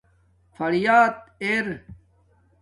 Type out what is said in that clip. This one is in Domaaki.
فریات اِر